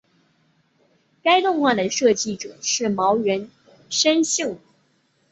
该动画的设计者是茅原伸幸。